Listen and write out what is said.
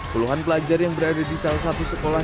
puluhan pelajar yang berada di salah satu sekolah